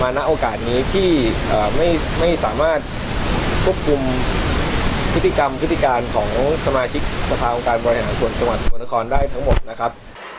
ณโอกาสนี้ที่ไม่สามารถควบคุมพฤติกรรมพฤติการของสมาชิกสภาองค์การบริหารส่วนจังหวัดสกลนครได้ทั้งหมดนะครับ